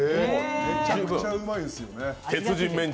めちゃくちゃうまいです。